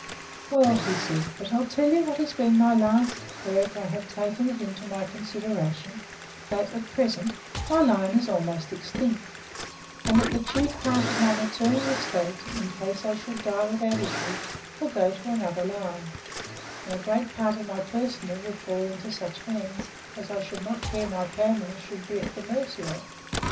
Well, said he, but I'll tell you what has been my last work I have taken it into my consideration, that, at present, my line is almost extinct; and that the chief part of my maternal estate, in case I die without issue, will go to another line, and great part of my personal will fall into such hands, as I shall not care my Pamela should be at the mercy of.